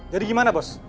jadi gimana bos